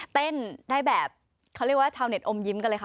เต้นได้แบบเขาเรียกว่าชาวเน็ตอมยิ้มกันเลยค่ะ